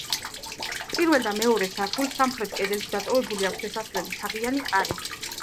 პირველ და მეორე სართულს სამხრეთ კედელში დატოვებული აქვს შესასვლელი თაღიანი კარი.